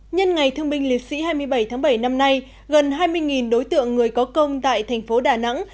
nhân ngày thương binh liệt sĩ hai mươi bảy tháng bảy năm nay gần hai mươi đối tượng người có công tại thành phố đà nẵng